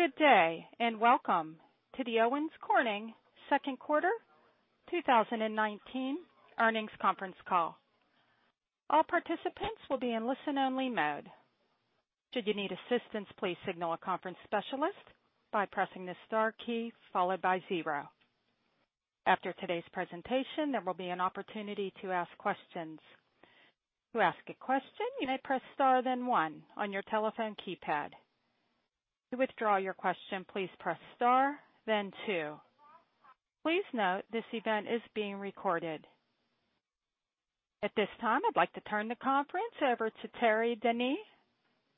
Good day and welcome to the Owens Corning Second Quarter 2019 earnings conference call. All participants will be in listen-only mode. Should you need assistance, please signal a conference specialist by pressing the star key followed by zero. After today's presentation, there will be an opportunity to ask questions. To ask a question, you may press star then one on your telephone keypad. To withdraw your question, please press star then two. Please note this event is being recorded. At this time, I'd like to turn the conference over to Thierry Denis,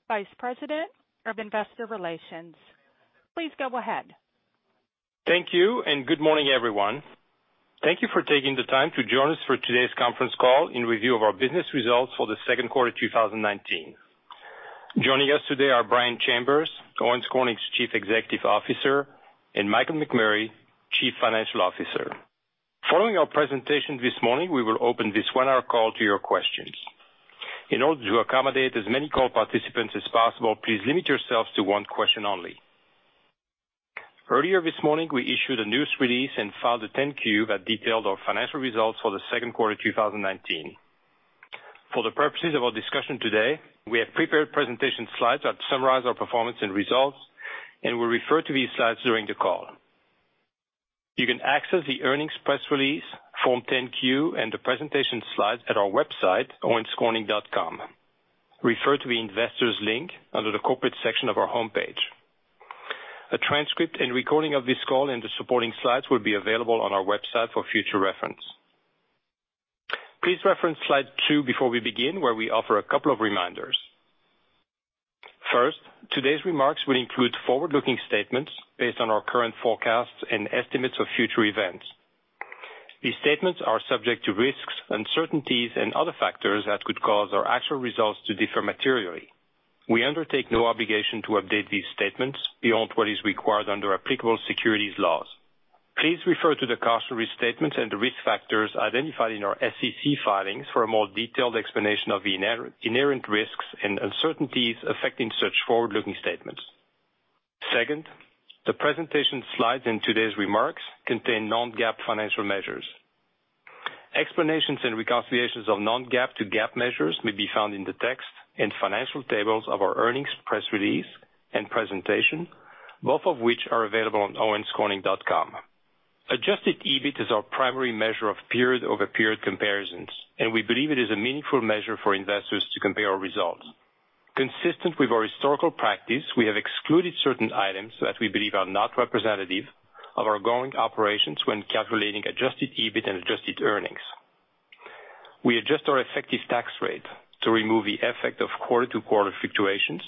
Vice President of Investor Relations. Please go ahead. Thank you and good morning, everyone. Thank you for taking the time to join us for today's conference call in review of our business results for the second quarter 2019. Joining us today are Brian Chambers, Owens Corning's Chief Executive Officer, and Michael McMurray, Chief Financial Officer. Following our presentation this morning, we will open this one-hour call to your questions. In order to accommodate as many call participants as possible, please limit yourselves to one question only. Earlier this morning, we issued a news release and filed a 10-Q that detailed our financial results for the second quarter 2019. For the purposes of our discussion today, we have prepared presentation slides that summarize our performance and results, and we'll refer to these slides during the call. You can access the earnings press release, Form 10-Q, and the presentation slides at our website, owenscorning.com. Refer to the investors' link under the corporate section of our homepage. A transcript and recording of this call and the supporting slides will be available on our website for future reference. Please reference slide 2 before we begin, where we offer a couple of reminders. First, today's remarks will include forward-looking statements based on our current forecasts and estimates of future events. These statements are subject to risks, uncertainties, and other factors that could cause our actual results to differ materially. We undertake no obligation to update these statements beyond what is required under applicable securities laws. Please refer to the cautionary statements and the risk factors identified in our SEC filings for a more detailed explanation of the inherent risks and uncertainties affecting such forward-looking statements. Second, the presentation slides and today's remarks contain non-GAAP financial measures. Explanations and reconciliations of non-GAAP to GAAP measures may be found in the text and financial tables of our earnings press release and presentation, both of which are available on owenscorning.com. Adjusted EBIT is our primary measure of period-over-period comparisons, and we believe it is a meaningful measure for investors to compare our results. Consistent with our historical practice, we have excluded certain items that we believe are not representative of our going operations when calculating adjusted EBIT and adjusted earnings. We adjust our effective tax rate to remove the effect of quarter-to-quarter fluctuations,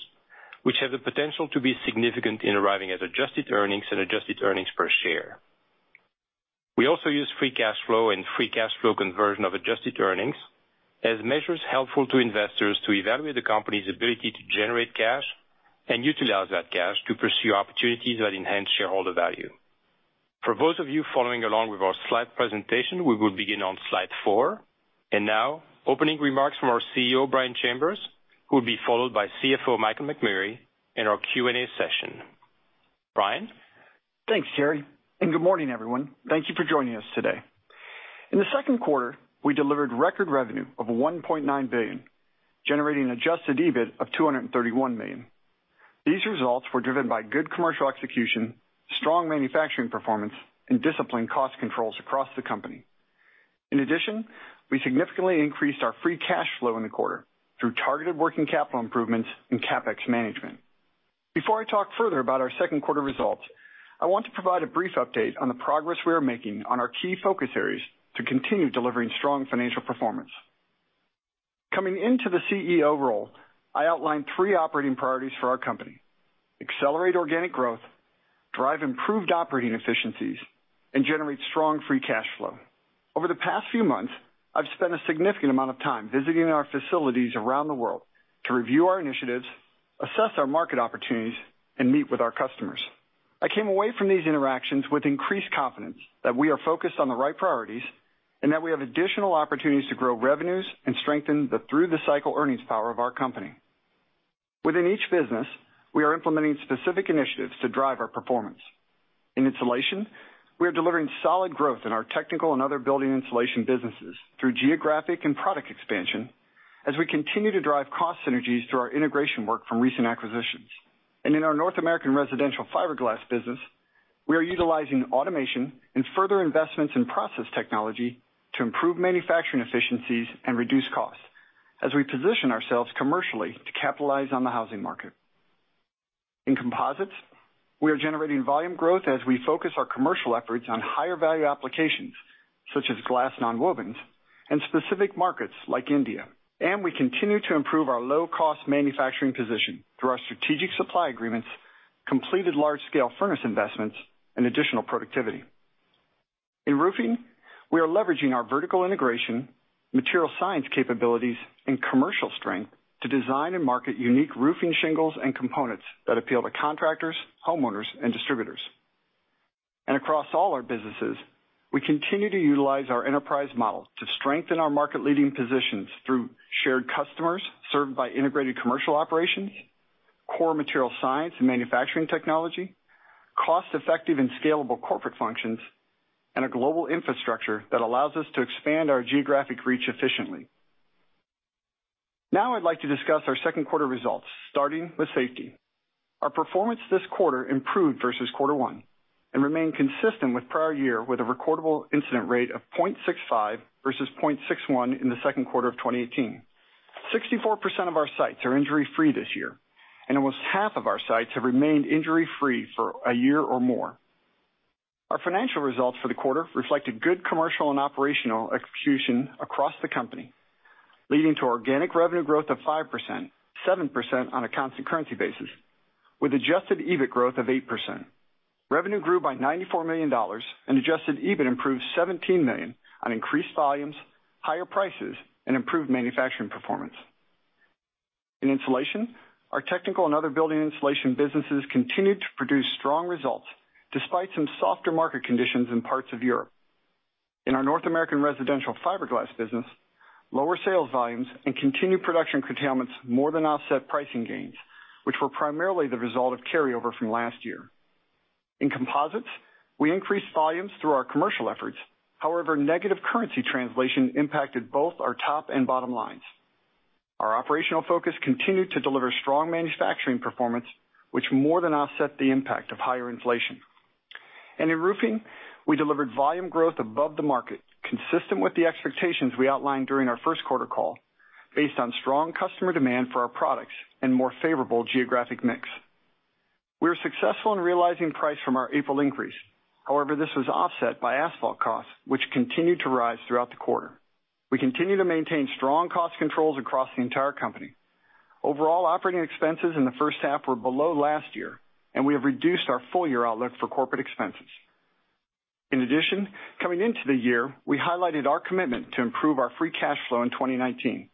which have the potential to be significant in arriving at adjusted earnings and adjusted earnings per share. We also use free cash flow and free cash flow conversion of adjusted earnings as measures helpful to investors to evaluate the company's ability to generate cash and utilize that cash to pursue opportunities that enhance shareholder value. For those of you following along with our slide presentation, we will begin on slide 4. And now, opening remarks from our CEO, Brian Chambers, who will be followed by CFO, Michael McMurray, and our Q&A session. Brian. Thanks, Thiery. And good morning, everyone. Thank you for joining us today. In the second quarter, we delivered record revenue of $1.9 billion, generating an adjusted EBIT of $231 million. These results were driven by good commercial execution, strong manufacturing performance, and disciplined cost controls across the company. In addition, we significantly increased our free cash flow in the quarter through targeted working capital improvements and CapEx management. Before I talk further about our second quarter results, I want to provide a brief update on the progress we are making on our key focus areas to continue delivering strong financial performance. Coming into the CEO role, I outlined three operating priorities for our company: accelerate organic growth, drive improved operating efficiencies, and generate strong free cash flow. Over the past few months, I've spent a significant amount of time visiting our facilities around the world to review our initiatives, assess our market opportunities, and meet with our customers. I came away from these interactions with increased confidence that we are focused on the right priorities and that we have additional opportunities to grow revenues and strengthen the through-the-cycle earnings power of our company. Within each business, we are implementing specific initiatives to drive our performance. In insulation, we are delivering solid growth in our technical and other building insulation businesses through geographic and product expansion as we continue to drive cost synergies through our integration work from recent acquisitions, and in our North American residential fiberglass business, we are utilizing automation and further investments in process technology to improve manufacturing efficiencies and reduce costs as we position ourselves commercially to capitalize on the housing market. In composites, we are generating volume growth as we focus our commercial efforts on higher value applications such as glass non-wovens and specific markets like India. And we continue to improve our low-cost manufacturing position through our strategic supply agreements, completed large-scale furnace investments, and additional productivity. In roofing, we are leveraging our vertical integration, material science capabilities, and commercial strength to design and market unique roofing shingles and components that appeal to contractors, homeowners, and distributors. And across all our businesses, we continue to utilize our enterprise model to strengthen our market-leading positions through shared customers served by integrated commercial operations, core material science and manufacturing technology, cost-effective and scalable corporate functions, and a global infrastructure that allows us to expand our geographic reach efficiently. Now, I'd like to discuss our second quarter results, starting with safety. Our performance this quarter improved versus quarter one and remained consistent with prior year with a recordable incident rate of 0.65 versus 0.61 in the second quarter of 2018. 64% of our sites are injury-free this year, and almost half of our sites have remained injury-free for a year or more. Our financial results for the quarter reflected good commercial and operational execution across the company, leading to organic revenue growth of 5%, 7% on a constant currency basis, with adjusted EBIT growth of 8%. Revenue grew by $94 million, and adjusted EBIT improved $17 million on increased volumes, higher prices, and improved manufacturing performance. In insulation, our technical and other building insulation businesses continued to produce strong results despite some softer market conditions in parts of Europe. In our North American residential fiberglass business, lower sales volumes and continued production curtailments more than offset pricing gains, which were primarily the result of carryover from last year. In composites, we increased volumes through our commercial efforts. However, negative currency translation impacted both our top and bottom lines. Our operational focus continued to deliver strong manufacturing performance, which more than offset the impact of higher inflation. And in roofing, we delivered volume growth above the market, consistent with the expectations we outlined during our first quarter call, based on strong customer demand for our products and more favorable geographic mix. We were successful in realizing price from our April increase. However, this was offset by asphalt costs, which continued to rise throughout the quarter. We continue to maintain strong cost controls across the entire company. Overall operating expenses in the first half were below last year, and we have reduced our full-year outlook for corporate expenses. In addition, coming into the year, we highlighted our commitment to improve our free cash flow in 2019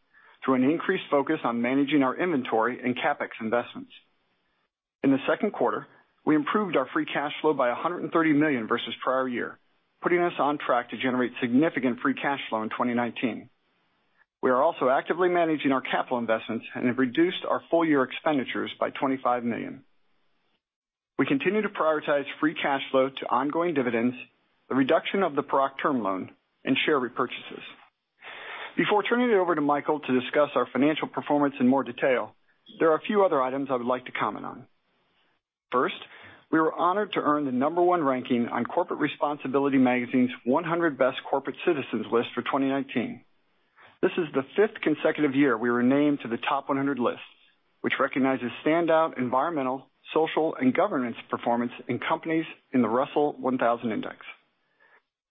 through an increased focus on managing our inventory and CapEx investments. In the second quarter, we improved our free cash flow by $130 million versus prior year, putting us on track to generate significant free cash flow in 2019. We are also actively managing our capital investments and have reduced our full-year expenditures by $25 million. We continue to prioritize free cash flow to ongoing dividends, the reduction of the Paroc loan, and share repurchases. Before turning it over to Michael to discuss our financial performance in more detail, there are a few other items I would like to comment on. First, we were honored to earn the number one ranking on Corporate Responsibility Magazine's 100 Best Corporate Citizens list for 2019. This is the fifth consecutive year we were named to the top 100 list, which recognizes standout environmental, social, and governance performance in companies in the Russell 1000 Index.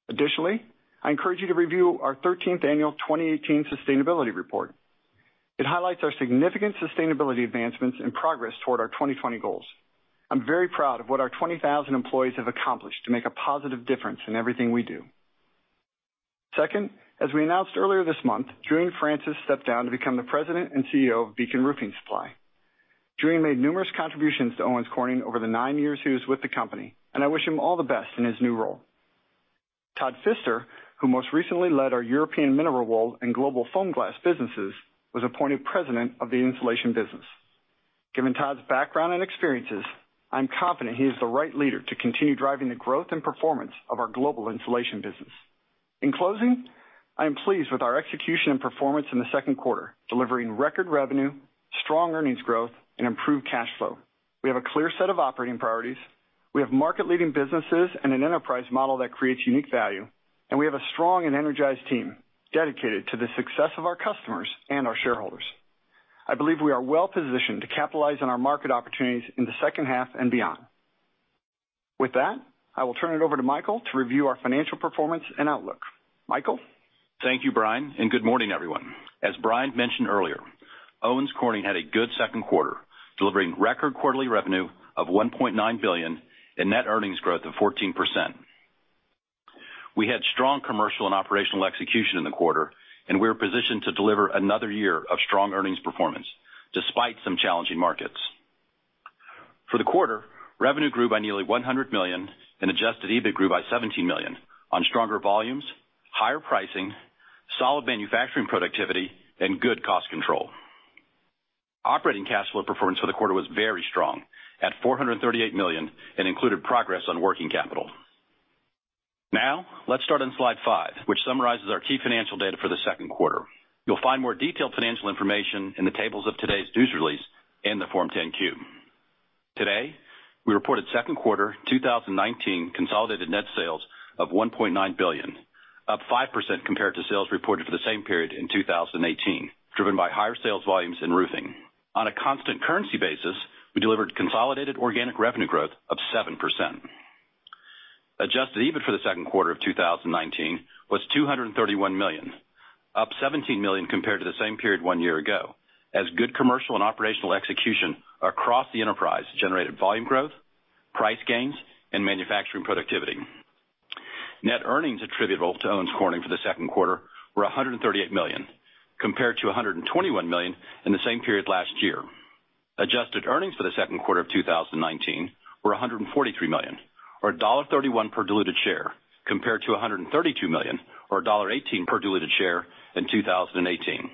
Additionally, I encourage you to review our 13th Annual 2018 Sustainability Report. It highlights our significant sustainability advancements and progress toward our 2020 goals. I'm very proud of what our 20,000 employees have accomplished to make a positive difference in everything we do. Second, as we announced earlier this month, Julian Francis stepped down to become the President and CEO of Beacon Roofing Supply. Julian made numerous contributions to Owens Corning over the nine years he was with the company, and I wish him all the best in his new role. Todd Fister, who most recently led our European mineral wool and global foam glass businesses, was appointed President of the insulation business. Given Todd's background and experiences, I'm confident he is the right leader to continue driving the growth and performance of our global insulation business. In closing, I am pleased with our execution and performance in the second quarter, delivering record revenue, strong earnings growth, and improved cash flow. We have a clear set of operating priorities. We have market-leading businesses and an enterprise model that creates unique value. And we have a strong and energized team dedicated to the success of our customers and our shareholders. I believe we are well-positioned to capitalize on our market opportunities in the second half and beyond. With that, I will turn it over to Michael to review our financial performance and outlook. Michael. Thank you, Brian, and good morning, everyone. As Brian mentioned earlier, Owens Corning had a good second quarter, delivering record quarterly revenue of $1.9 billion and net earnings growth of 14%. We had strong commercial and operational execution in the quarter, and we are positioned to deliver another year of strong earnings performance despite some challenging markets. For the quarter, revenue grew by nearly $100 million, and adjusted EBIT grew by $17 million on stronger volumes, higher pricing, solid manufacturing productivity, and good cost control. Operating cash flow performance for the quarter was very strong at $438 million and included progress on working capital. Now, let's start on slide 5, which summarizes our key financial data for the second quarter. You'll find more detailed financial information in the tables of today's news release and the Form 10-Q. Today, we reported second quarter 2019 consolidated net sales of $1.9 billion, up 5% compared to sales reported for the same period in 2018, driven by higher sales volumes in roofing. On a constant currency basis, we delivered consolidated organic revenue growth of 7%. Adjusted EBIT for the second quarter of 2019 was $231 million, up $17 million compared to the same period one year ago, as good commercial and operational execution across the enterprise generated volume growth, price gains, and manufacturing productivity. Net earnings attributable to Owens Corning for the second quarter were $138 million, compared to $121 million in the same period last year. Adjusted earnings for the second quarter of 2019 were $143 million, or $1.31 per diluted share, compared to $132 million, or $1.18 per diluted share in 2018.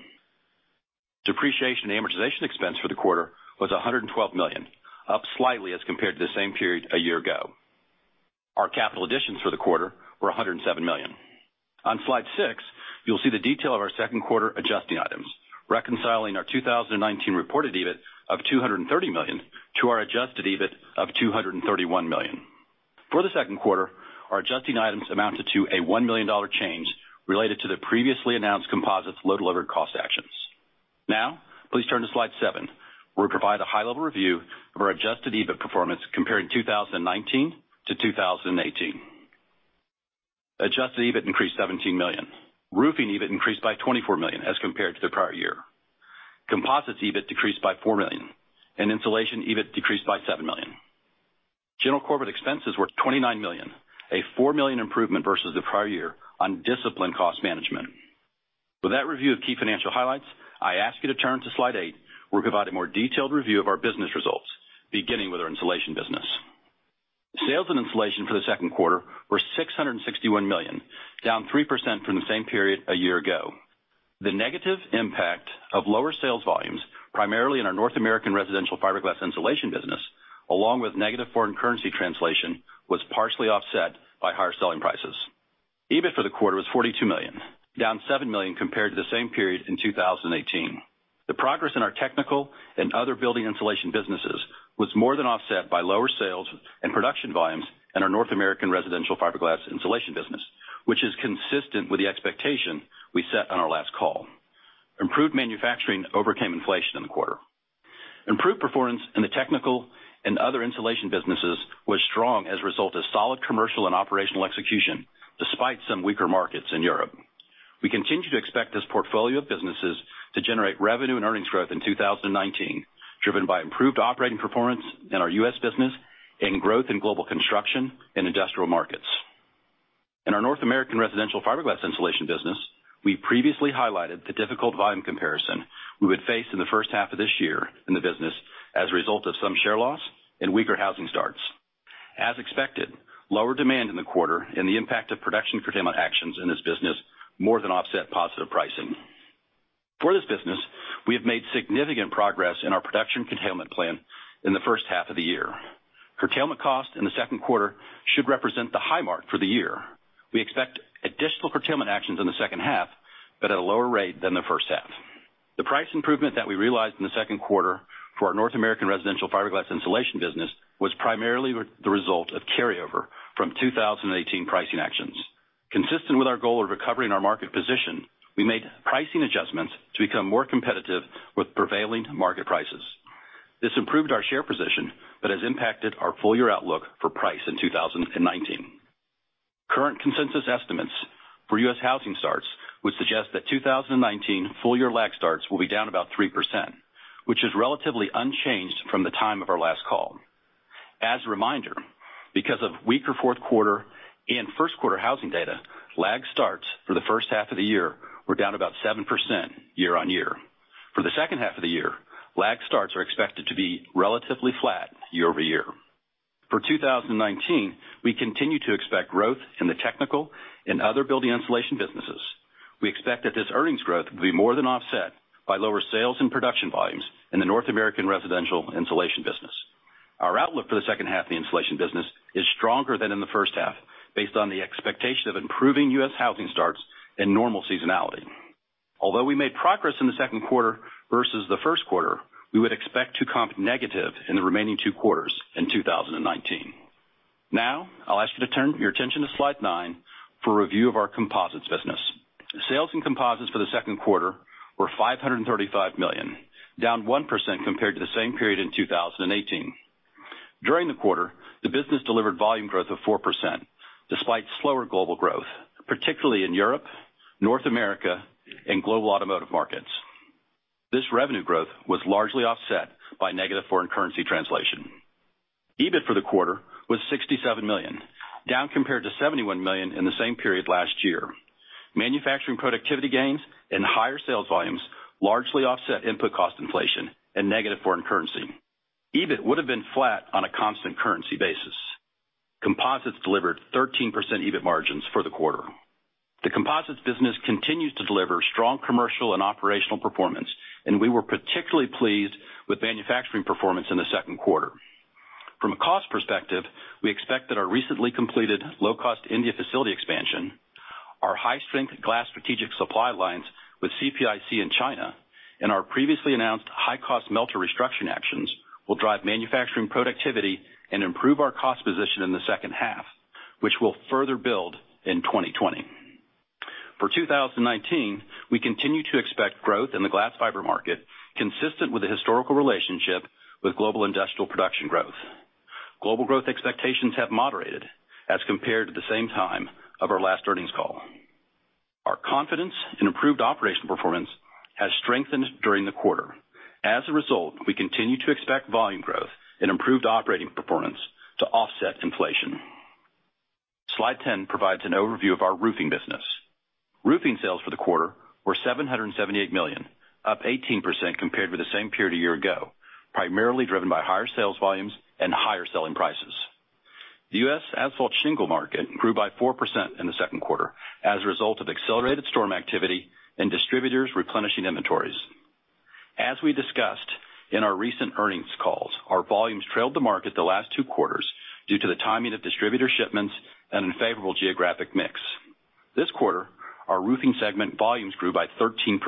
Depreciation and amortization expense for the quarter was $112 million, up slightly as compared to the same period a year ago. Our capital additions for the quarter were $107 million. On slide 6, you'll see the detail of our second quarter adjusting items, reconciling our 2019 reported EBIT of $230 million to our adjusted EBIT of $231 million. For the second quarter, our adjusting items amounted to a $1 million change related to the previously announced composites low-delivered cost actions. Now, please turn to slide 7, where we provide a high-level review of our adjusted EBIT performance comparing 2019 to 2018. Adjusted EBIT increased $17 million. Roofing EBIT increased by $24 million as compared to the prior year. Composites EBIT decreased by $4 million, and insulation EBIT decreased by $7 million. General corporate expenses were $29 million, a $4 million improvement versus the prior year on disciplined cost management. With that review of key financial highlights, I ask you to turn to slide 8, where we provide a more detailed review of our business results, beginning with our insulation business. Sales in insulation for the second quarter were $661 million, down 3% from the same period a year ago. The negative impact of lower sales volumes, primarily in our North American residential fiberglass insulation business, along with negative foreign currency translation, was partially offset by higher selling prices. EBIT for the quarter was $42 million, down $7 million compared to the same period in 2018. The progress in our technical and other building insulation businesses was more than offset by lower sales and production volumes in our North American residential fiberglass insulation business, which is consistent with the expectation we set on our last call. Improved manufacturing overcame inflation in the quarter. Improved performance in the technical and other insulation businesses was strong as a result of solid commercial and operational execution despite some weaker markets in Europe. We continue to expect this portfolio of businesses to generate revenue and earnings growth in 2019, driven by improved operating performance in our U.S. business and growth in global construction and industrial markets. In our North American residential fiberglass insulation business, we previously highlighted the difficult volume comparison we would face in the first half of this year in the business as a result of some share loss and weaker housing starts. As expected, lower demand in the quarter and the impact of production curtailment actions in this business more than offset positive pricing. For this business, we have made significant progress in our production curtailment plan in the first half of the year. Curtailment costs in the second quarter should represent the high mark for the year. We expect additional curtailment actions in the second half, but at a lower rate than the first half. The price improvement that we realized in the second quarter for our North American residential fiberglass insulation business was primarily the result of carryover from 2018 pricing actions. Consistent with our goal of recovering our market position, we made pricing adjustments to become more competitive with prevailing market prices. This improved our share position, but has impacted our full-year outlook for price in 2019. Current consensus estimates for U.S. housing starts would suggest that 2019 full-year lag starts will be down about 3%, which is relatively unchanged from the time of our last call. As a reminder, because of weaker fourth quarter and first quarter housing data, lag starts for the first half of the year were down about 7% year-on-year. For the second half of the year, lag starts are expected to be relatively flat year-over-year. For 2019, we continue to expect growth in the technical and other building insulation businesses. We expect that this earnings growth will be more than offset by lower sales and production volumes in the North American residential insulation business. Our outlook for the second half of the insulation business is stronger than in the first half, based on the expectation of improving U.S. housing starts and normal seasonality. Although we made progress in the second quarter versus the first quarter, we would expect to comp negative in the remaining two quarters in 2019. Now, I'll ask you to turn your attention to slide 9 for a review of our composites business. Sales and composites for the second quarter were $535 million, down 1% compared to the same period in 2018. During the quarter, the business delivered volume growth of 4%, despite slower global growth, particularly in Europe, North America, and global automotive markets. This revenue growth was largely offset by negative foreign currency translation. EBIT for the quarter was $67 million, down compared to $71 million in the same period last year. Manufacturing productivity gains and higher sales volumes largely offset input cost inflation and negative foreign currency. EBIT would have been flat on a constant currency basis. Composites delivered 13% EBIT margins for the quarter. The composites business continues to deliver strong commercial and operational performance, and we were particularly pleased with manufacturing performance in the second quarter. From a cost perspective, we expect that our recently completed low-cost India facility expansion, our high-strength glass strategic supply lines with CPIC in China, and our previously announced high-cost melter restructuring actions will drive manufacturing productivity and improve our cost position in the second half, which will further build in 2020. For 2019, we continue to expect growth in the glass fiber market, consistent with the historical relationship with global industrial production growth. Global growth expectations have moderated as compared to the same time of our last earnings call. Our confidence in improved operational performance has strengthened during the quarter. As a result, we continue to expect volume growth and improved operating performance to offset inflation. Slide 10 provides an overview of our roofing business. Roofing sales for the quarter were $778 million, up 18% compared with the same period a year ago, primarily driven by higher sales volumes and higher selling prices. The U.S. asphalt shingle market grew by 4% in the second quarter as a result of accelerated storm activity and distributors replenishing inventories. As we discussed in our recent earnings calls, our volumes trailed the market the last two quarters due to the timing of distributor shipments and unfavorable geographic mix. This quarter, our roofing segment volumes grew by 13%.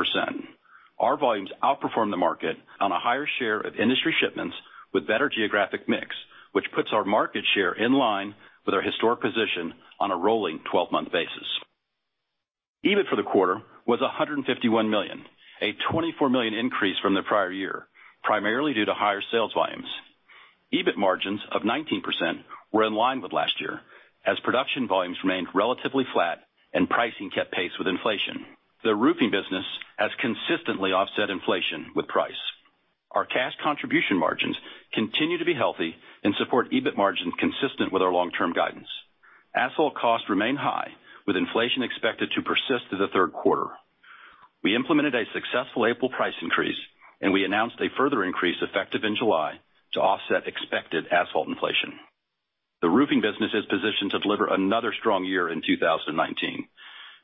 Our volumes outperformed the market on a higher share of industry shipments with better geographic mix, which puts our market share in line with our historic position on a rolling 12-month basis. EBIT for the quarter was $151 million, a $24 million increase from the prior year, primarily due to higher sales volumes. EBIT margins of 19% were in line with last year as production volumes remained relatively flat and pricing kept pace with inflation. The roofing business has consistently offset inflation with price. Our cash contribution margins continue to be healthy and support EBIT margins consistent with our long-term guidance. Asphalt costs remain high, with inflation expected to persist through the third quarter. We implemented a successful April price increase, and we announced a further increase effective in July to offset expected asphalt inflation. The roofing business is positioned to deliver another strong year in 2019.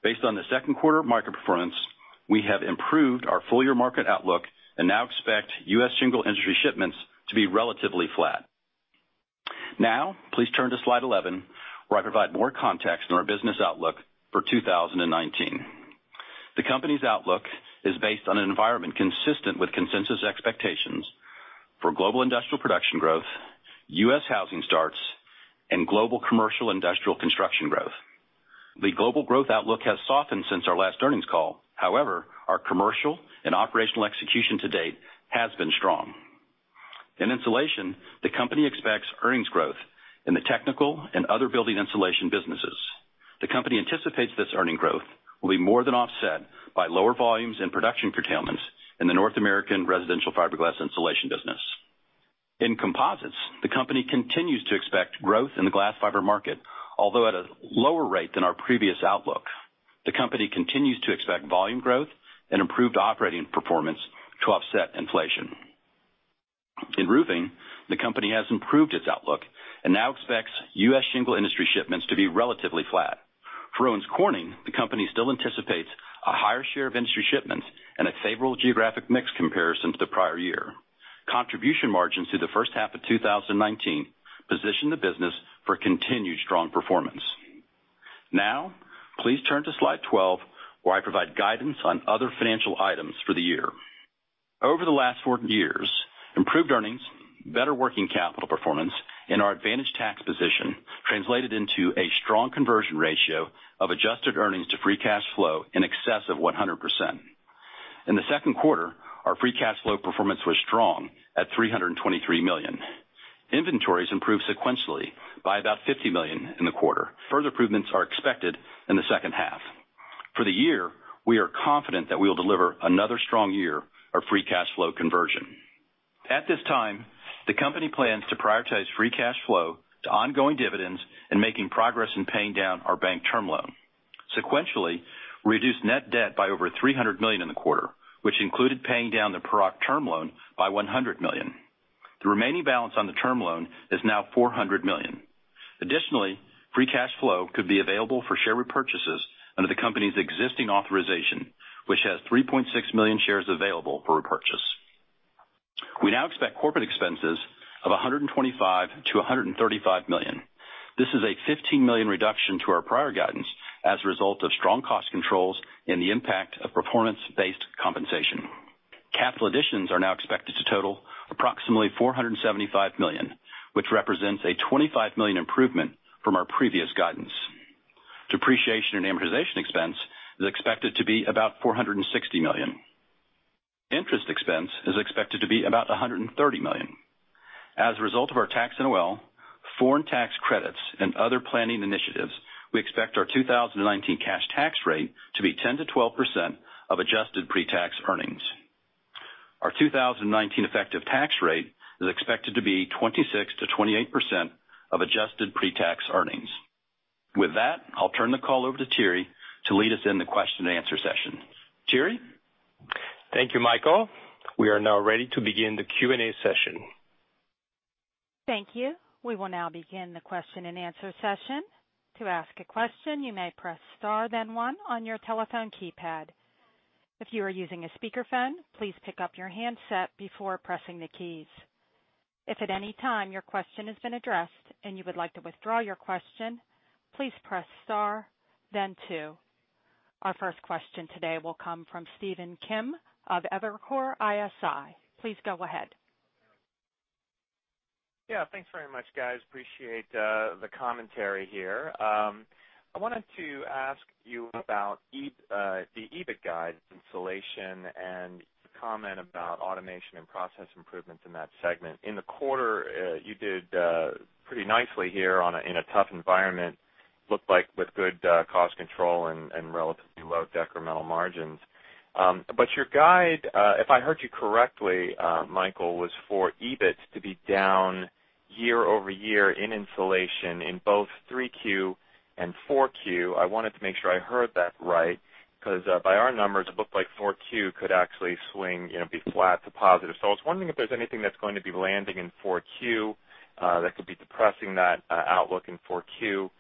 Based on the second quarter market performance, we have improved our full-year market outlook and now expect U.S. shingle industry shipments to be relatively flat. Now, please turn to slide 11, where I provide more context on our business outlook for 2019. The company's outlook is based on an environment consistent with consensus expectations for global industrial production growth, U.S. housing starts, and global commercial industrial construction growth. The global growth outlook has softened since our last earnings call. However, our commercial and operational execution to date has been strong. In insulation, the company expects earnings growth in the technical and other building insulation businesses. The company anticipates this earnings growth will be more than offset by lower volumes and production curtailments in the North American residential fiberglass insulation business. In composites, the company continues to expect growth in the glass fiber market, although at a lower rate than our previous outlook. The company continues to expect volume growth and improved operating performance to offset inflation. In roofing, the company has improved its outlook and now expects U.S. shingles industry shipments to be relatively flat. For Owens Corning, the company still anticipates a higher share of industry shipments and a favorable geographic mix comparison to the prior year. Contribution margins through the first half of 2019 position the business for continued strong performance. Now, please turn to slide 12, where I provide guidance on other financial items for the year. Over the last four years, improved earnings, better working capital performance, and our advantageous tax position translated into a strong conversion ratio of adjusted earnings to free cash flow in excess of 100%. In the second quarter, our free cash flow performance was strong at $323 million. Inventories improved sequentially by about $50 million in the quarter. Further improvements are expected in the second half. For the year, we are confident that we will deliver another strong year of free cash flow conversion. At this time, the company plans to prioritize free cash flow to ongoing dividends and making progress in paying down our bank term loan. Sequentially, we reduced net debt by over $300 million in the quarter, which included paying down the Paroc term loan by $100 million. The remaining balance on the term loan is now $400 million. Additionally, free cash flow could be available for share repurchases under the company's existing authorization, which has 3.6 million shares available for repurchase. We now expect corporate expenses of $125-135 million. This is a $15 million reduction to our prior guidance as a result of strong cost controls and the impact of performance-based compensation. Capital additions are now expected to total approximately $475 million, which represents a $25 million improvement from our previous guidance. Depreciation and amortization expense is expected to be about $460 million. Interest expense is expected to be about $130 million. As a result of our tax NOL, foreign tax credits, and other planning initiatives, we expect our 2019 cash tax rate to be 10%-12% of adjusted pre-tax earnings. Our 2019 effective tax rate is expected to be 26-28% of adjusted pre-tax earnings. With that, I'll turn the call over to Thierry to lead us in the question and answer session. Thierry? Thank you, Michael. We are now ready to begin the Q&A session. Thank you. We will now begin the question and answer session. To ask a question, you may press star, then one on your telephone keypad. If you are using a speakerphone, please pick up your handset before pressing the keys. If at any time your question has been addressed and you would like to withdraw your question, please press star, then two. Our first question today will come from Stephen Kim of Evercore ISI. Please go ahead. Yeah, thanks very much, guys. Appreciate the commentary here. I wanted to ask you about the EBIT guide insulation and your comment about automation and process improvements in that segment. In the quarter, you did pretty nicely here in a tough environment, looked like with good cost control and relatively low decremental margins. But your guide, if I heard you correctly, Michael, was for EBIT to be down year-over-year in insulation in both 3Q and 4Q. I wanted to make sure I heard that right because by our numbers, it looked like 4Q could actually swing, be flat to positive. So I was wondering if there's anything that's going to be landing in 4Q that could be depressing that outlook in 4Q,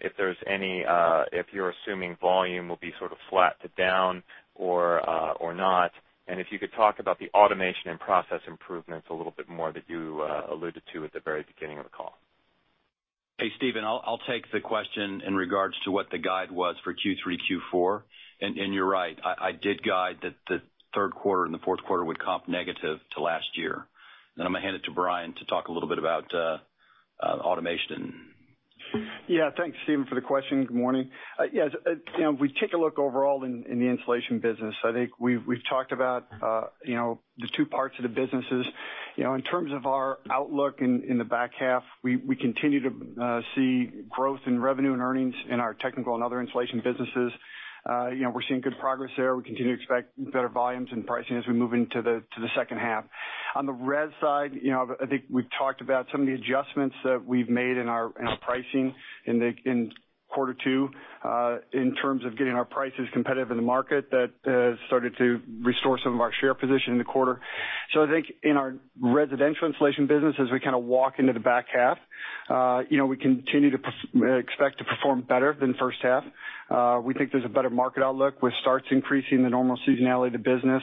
if there's any, if you're assuming volume will be sort of flat to down or not, and if you could talk about the automation and process improvements a little bit more that you alluded to at the very beginning of the call. Hey, Stephen, I'll take the question in regards to what the guide was for Q3, Q4. And you're right, I did guide that the third quarter and the fourth quarter would comp negative to last year. Then I'm going to hand it to Brian to talk a little bit about automation. Yeah, thanks, Stephen, for the question. Good morning. Yes, if we take a look overall in the insulation business, I think we've talked about the two parts of the businesses. In terms of our outlook in the back half, we continue to see growth in revenue and earnings in our technical and other insulation businesses. We're seeing good progress there. We continue to expect better volumes and pricing as we move into the second half. On the roofing side, I think we've talked about some of the adjustments that we've made in our pricing in quarter two in terms of getting our prices competitive in the market that started to restore some of our share position in the quarter. So I think in our residential insulation business, as we kind of walk into the back half, we continue to expect to perform better than first half. We think there's a better market outlook with starts increasing the normal seasonality of the business.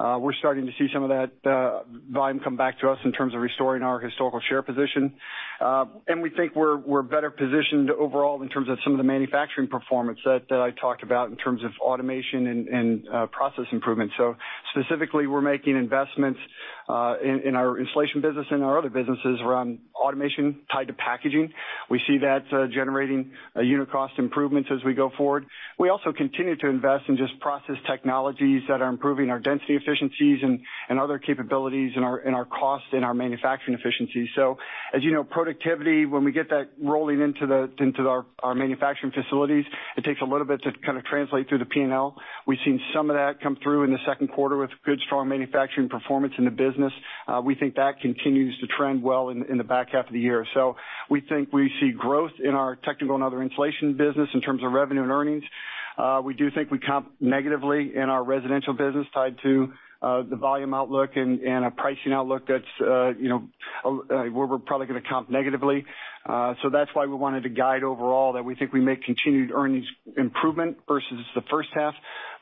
We're starting to see some of that volume come back to us in terms of restoring our historical share position, and we think we're better positioned overall in terms of some of the manufacturing performance that I talked about in terms of automation and process improvements, so specifically, we're making investments in our insulation business and our other businesses around automation tied to packaging. We see that generating unit cost improvements as we go forward. We also continue to invest in just process technologies that are improving our density efficiencies and other capabilities in our cost and our manufacturing efficiencies, so as you know, productivity, when we get that rolling into our manufacturing facilities, it takes a little bit to kind of translate through the P&L. We've seen some of that come through in the second quarter with good strong manufacturing performance in the business. We think that continues to trend well in the back half of the year. So we think we see growth in our technical and other insulation business in terms of revenue and earnings. We do think we comp negatively in our residential business tied to the volume outlook and a pricing outlook that's where we're probably going to comp negatively. So that's why we wanted to guide overall that we think we make continued earnings improvement versus the first half.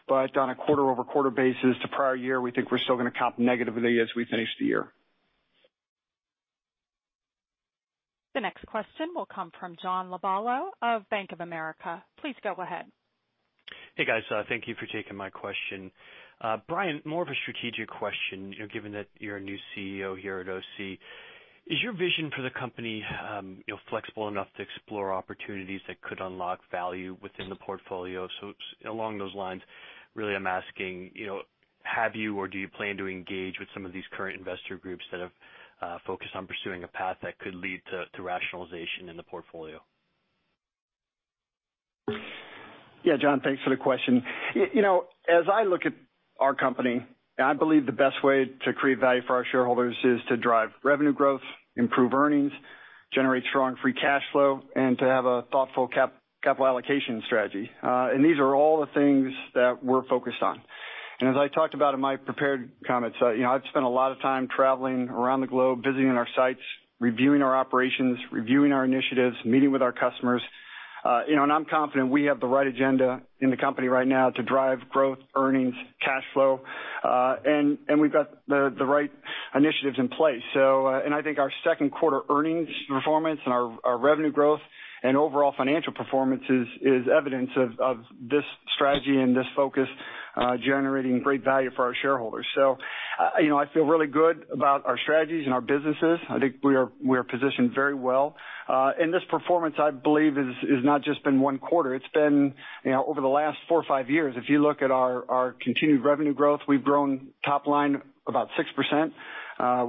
But on a quarter-over-quarter basis to prior year, we think we're still going to comp negatively as we finish the year. The next question will come from John Lovallo of Bank of America. Please go ahead. Hey, guys. Thank you for taking my question. Brian, more of a strategic question, given that you're a new CEO here at OC. Is your vision for the company flexible enough to explore opportunities that could unlock value within the portfolio? So along those lines, really I'm asking, have you or do you plan to engage with some of these current investor groups that have focused on pursuing a path that could lead to rationalization in the portfolio? Yeah, John, thanks for the question. As I look at our company, I believe the best way to create value for our shareholders is to drive revenue growth, improve earnings, generate strong free cash flow, and to have a thoughtful capital allocation strategy. And these are all the things that we're focused on. And as I talked about in my prepared comments, I've spent a lot of time traveling around the globe, visiting our sites, reviewing our operations, reviewing our initiatives, meeting with our customers. I'm confident we have the right agenda in the company right now to drive growth, earnings, cash flow, and we've got the right initiatives in place. I think our second quarter earnings performance and our revenue growth and overall financial performance is evidence of this strategy and this focus generating great value for our shareholders. I feel really good about our strategies and our businesses. I think we are positioned very well. This performance, I believe, has not just been one quarter. It's been over the last four or five years. If you look at our continued revenue growth, we've grown top line about 6%.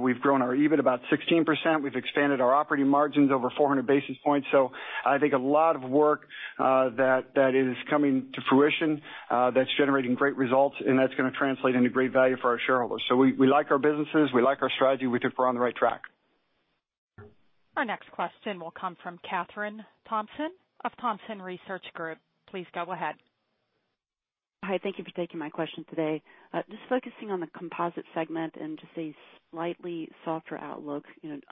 We've grown our EBIT about 16%. We've expanded our operating margins over 400 basis points. So I think a lot of work that is coming to fruition that's generating great results, and that's going to translate into great value for our shareholders. So we like our businesses. We like our strategy. We think we're on the right track. Our next question will come from Katherine Thompson of Thompson Research Group. Please go ahead. Hi, thank you for taking my question today. Just focusing on the composites segment and just a slightly softer outlook.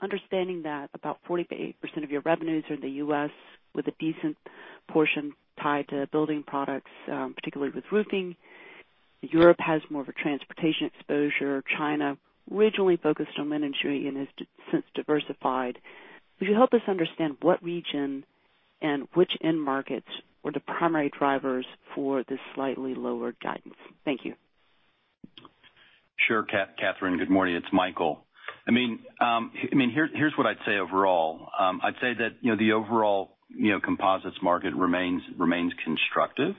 Understanding that about 48% of your revenues are in the U.S. with a decent portion tied to building products, particularly with roofing. Europe has more of a transportation exposure. China, originally focused on wind industry and has since diversified. Would you help us understand what region and which end markets were the primary drivers for this slightly lower guidance? Thank you. Sure, Katherine. Good morning. It's Michael. I mean, here's what I'd say overall. I'd say that the overall composites market remains constructive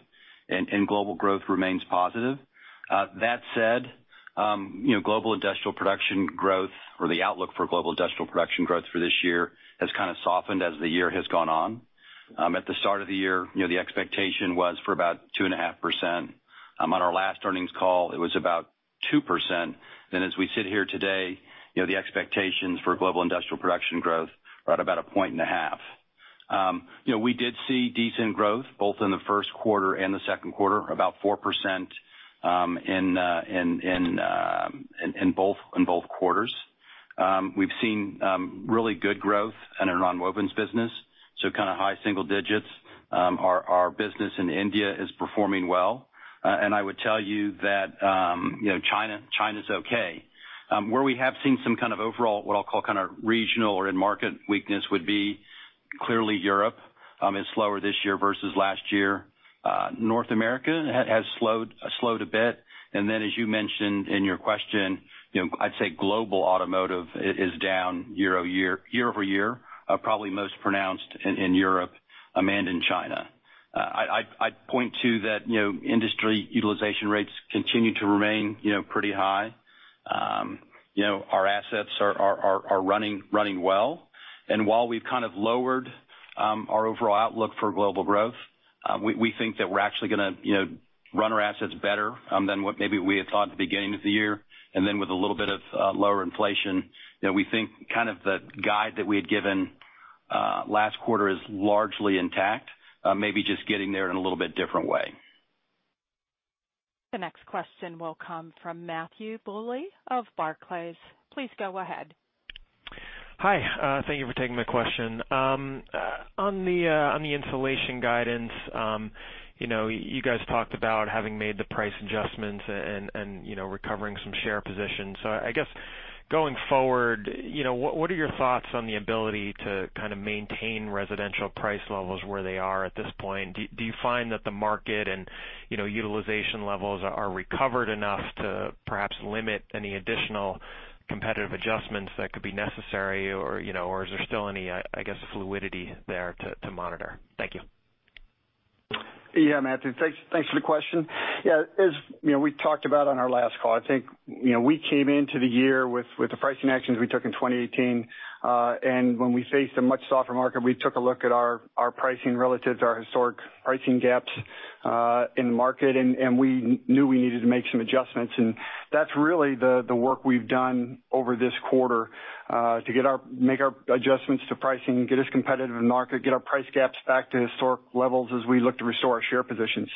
and global growth remains positive. That said, global industrial production growth or the outlook for global industrial production growth for this year has kind of softened as the year has gone on. At the start of the year, the expectation was for about 2.5%. On our last earnings call, it was about 2%. Then as we sit here today, the expectations for global industrial production growth are at about 1.5%. We did see decent growth both in the first quarter and the second quarter, about 4% in both quarters. We've seen really good growth in our non-woven business, so kind of high single digits. Our business in India is performing well, and I would tell you that China's okay. Where we have seen some kind of overall, what I'll call kind of regional or in-market weakness would be clearly Europe. It's slower this year versus last year. North America has slowed a bit. And then, as you mentioned in your question, I'd say global automotive is down year-over-year, probably most pronounced in Europe and in China. I'd point to that industry utilization rates continue to remain pretty high. Our assets are running well. And while we've kind of lowered our overall outlook for global growth, we think that we're actually going to run our assets better than what maybe we had thought at the beginning of the year. And then with a little bit of lower inflation, we think kind of the guide that we had given last quarter is largely intact, maybe just getting there in a little bit different way. The next question will come from Matthew Bouley of Barclays. Please go ahead. Hi. Thank you for taking my question. On the insulation guidance, you guys talked about having made the price adjustments and recovering some share positions. So I guess going forward, what are your thoughts on the ability to kind of maintain residential price levels where they are at this point? Do you find that the market and utilization levels are recovered enough to perhaps limit any additional competitive adjustments that could be necessary, or is there still any, I guess, fluidity there to monitor? Thank you. Yeah, Matthew, thanks for the question. Yeah, as we talked about on our last call, I think we came into the year with the pricing actions we took in 2018. When we faced a much softer market, we took a look at our pricing relative to our historic pricing gaps in the market, and we knew we needed to make some adjustments. That's really the work we've done over this quarter to make our adjustments to pricing, get us competitive in the market, get our price gaps back to historic levels as we look to restore our share position.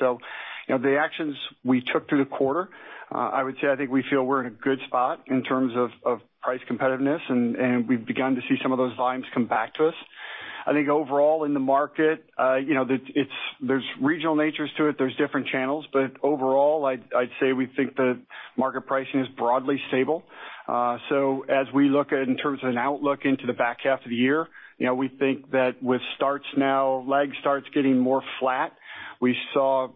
The actions we took through the quarter, I would say I think we feel we're in a good spot in terms of price competitiveness, and we've begun to see some of those volumes come back to us. I think overall in the market, there's regional nuances to it. There's different channels. Overall, I'd say we think the market pricing is broadly stable. So as we look in terms of an outlook into the back half of the year, we think that with starts now, lag starts getting more flat. We saw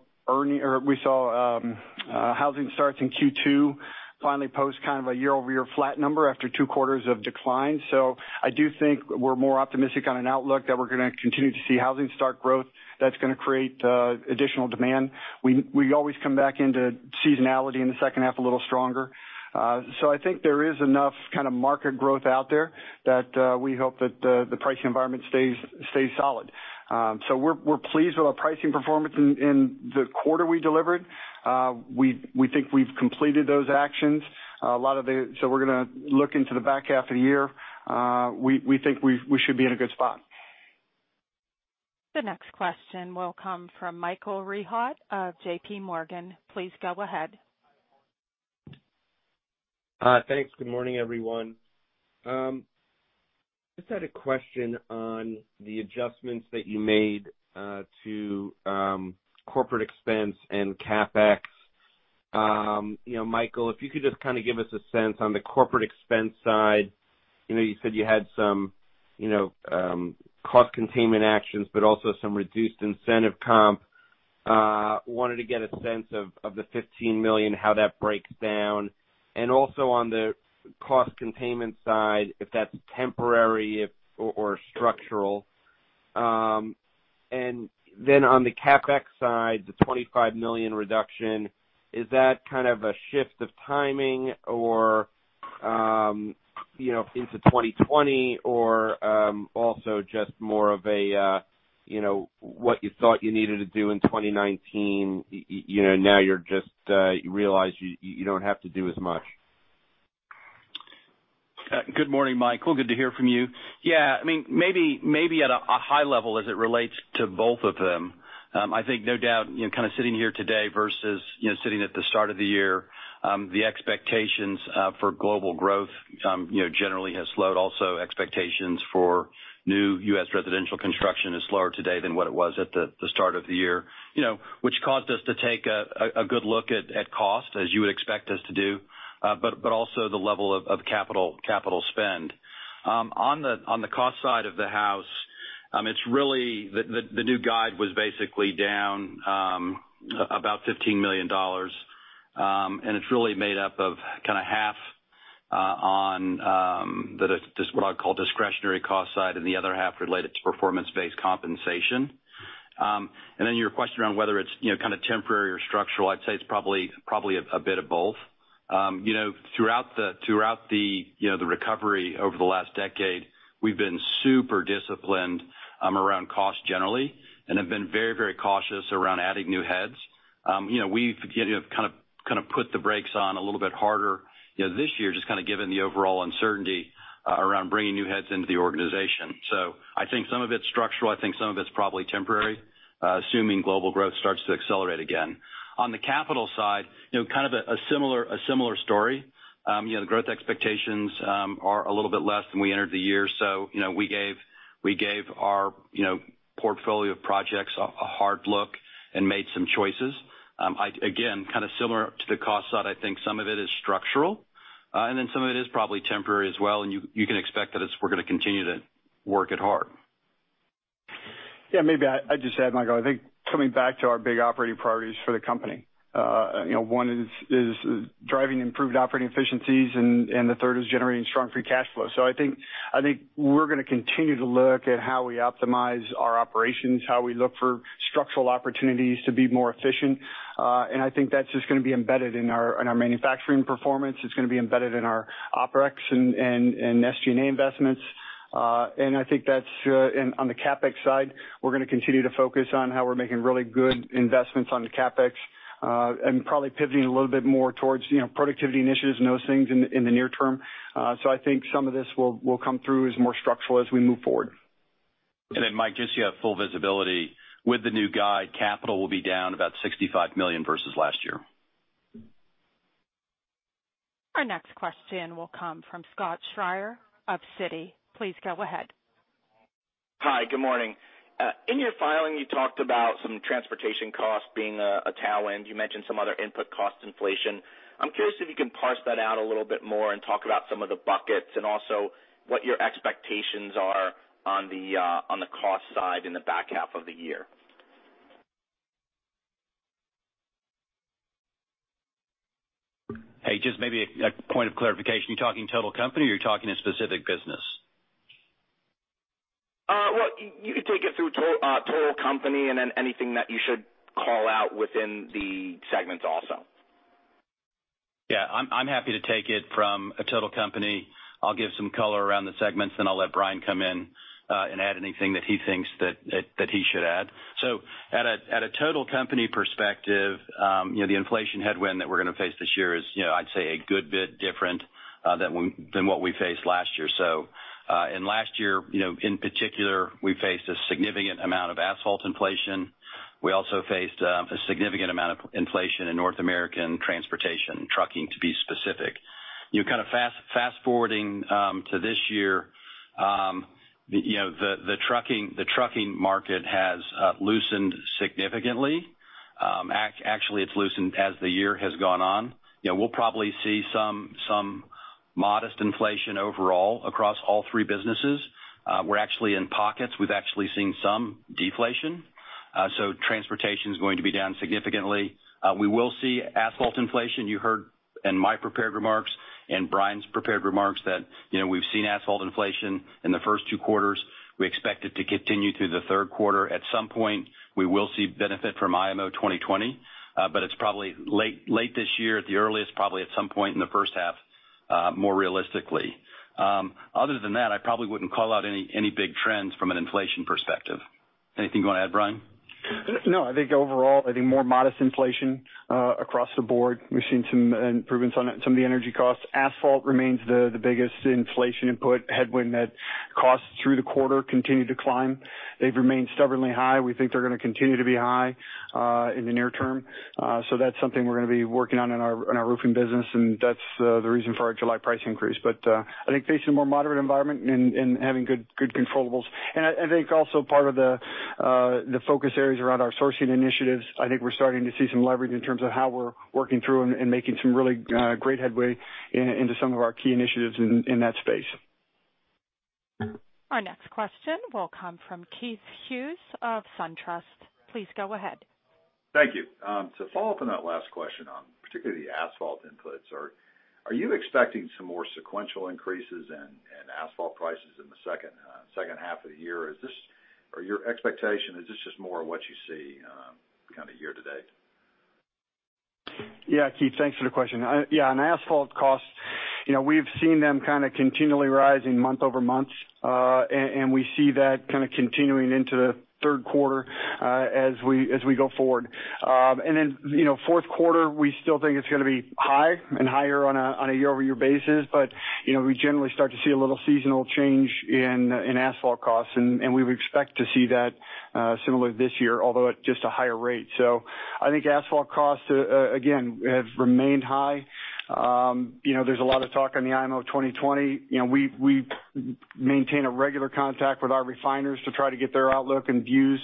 housing starts in Q2 finally post kind of a year-over-year flat number after two quarters of decline. So I do think we're more optimistic on an outlook that we're going to continue to see housing starts growth that's going to create additional demand. We always come back into seasonality in the second half a little stronger. So I think there is enough kind of market growth out there that we hope that the pricing environment stays solid. So we're pleased with our pricing performance in the quarter. We delivered. We think we've completed those actions. A lot of the so we're going to look into the back half of the year. We think we should be in a good spot. The next question will come from Michael Rehaut of JPMorgan. Please go ahead. Thanks. Good morning, everyone. Just had a question on the adjustments that you made to corporate expense and CapEx. Michael, if you could just kind of give us a sense on the corporate expense side. You said you had some cost containment actions, but also some reduced incentive comp. Wanted to get a sense of the $15 million, how that breaks down. And also on the cost containment side, if that's temporary or structural. And then on the CapEx side, the $25 million reduction, is that kind of a shift of timing or into 2020, or also just more of what you thought you needed to do in 2019? Now you realize you don't have to do as much. Good morning, Michael. Good to hear from you. Yeah. I mean, maybe at a high level as it relates to both of them, I think no doubt kind of sitting here today versus sitting at the start of the year, the expectations for global growth generally have slowed. Also, expectations for new U.S. residential construction is slower today than what it was at the start of the year, which caused us to take a good look at cost, as you would expect us to do, but also the level of capital spend. On the cost side of the house, it's really the new guide was basically down about $15 million, and it's really made up of kind of half on what I'll call discretionary cost side and the other half related to performance-based compensation. And then your question around whether it's kind of temporary or structural, I'd say it's probably a bit of both. Throughout the recovery over the last decade, we've been super disciplined around cost generally and have been very, very cautious around adding new heads. We've kind of put the brakes on a little bit harder this year, just kind of given the overall uncertainty around bringing new heads into the organization. So I think some of it's structural. I think some of it's probably temporary, assuming global growth starts to accelerate again. On the capital side, kind of a similar story. The growth expectations are a little bit less than we entered the year. So we gave our portfolio of projects a hard look and made some choices. Again, kind of similar to the cost side, I think some of it is structural, and then some of it is probably temporary as well. And you can expect that we're going to continue to work hard. Yeah, maybe I just add, Michael. I think coming back to our big operating priorities for the company. One is driving improved operating efficiencies, and the third is generating strong free cash flow. So I think we're going to continue to look at how we optimize our operations, how we look for structural opportunities to be more efficient. And I think that's just going to be embedded in our manufacturing performance. It's going to be embedded in our OpEx and SG&A investments. And I think that's on the CapEx side, we're going to continue to focus on how we're making really good investments on the CapEx and probably pivoting a little bit more towards productivity initiatives and those things in the near term. So I think some of this will come through as more structural as we move forward. And then, Mike, just so you have full visibility, with the new guide, capital will be down about $65 million versus last year. Our next question will come from Scott Schrier of Citi. Please go ahead. Hi, good morning. In your filing, you talked about some transportation costs being a tailwind. You mentioned some other input cost inflation. I'm curious if you can parse that out a little bit more and talk about some of the buckets and also what your expectations are on the cost side in the back half of the year. Hey, just maybe a point of clarification. You're talking total company or you're talking a specific business? Well, you could take it through total company and then anything that you should call out within the segments also. Yeah, I'm happy to take it from a total company. I'll give some color around the segments, then I'll let Brian come in and add anything that he thinks that he should add. So at a total company perspective, the inflation headwind that we're going to face this year is, I'd say, a good bit different than what we faced last year. So in last year, in particular, we faced a significant amount of asphalt inflation. We also faced a significant amount of inflation in North American transportation, trucking to be specific. Kind of fast forwarding to this year, the trucking market has loosened significantly. Actually, it's loosened as the year has gone on. We'll probably see some modest inflation overall across all three businesses. We're actually in pockets. We've actually seen some deflation. So transportation is going to be down significantly. We will see asphalt inflation. You heard in my prepared remarks and Brian's prepared remarks that we've seen asphalt inflation in the first two quarters. We expect it to continue through the third quarter. At some point, we will see benefit from IMO 2020, but it's probably late this year, at the earliest, probably at some point in the first half, more realistically. Other than that, I probably wouldn't call out any big trends from an inflation perspective. Anything you want to add, Brian? No, I think overall, I think more modest inflation across the board. We've seen some improvements on some of the energy costs. Asphalt remains the biggest inflation input headwind that costs through the quarter continue to climb. They've remained stubbornly high. We think they're going to continue to be high in the near term. So that's something we're going to be working on in our roofing business, and that's the reason for our July price increase. But I think facing a more moderate environment and having good controllables, and I think also part of the focus areas around our sourcing initiatives, I think we're starting to see some leverage in terms of how we're working through and making some really great headway into some of our key initiatives in that space. Our next question will come from Keith Hughes of SunTrust. Please go ahead. Thank you. To follow up on that last question on particularly the asphalt inputs, are you expecting some more sequential increases in asphalt prices in the second half of the year? Or your expectation, is this just more of what you see kind of year to date? Yeah, Keith, thanks for the question. Yeah, on asphalt costs, we've seen them kind of continually rising month over month, and we see that kind of continuing into the third quarter as we go forward. And then fourth quarter, we still think it's going to be high and higher on a year-over-year basis, but we generally start to see a little seasonal change in asphalt costs, and we would expect to see that similar this year, although at just a higher rate. So I think asphalt costs, again, have remained high. There's a lot of talk on the IMO 2020. We maintain a regular contact with our refiners to try to get their outlook and views,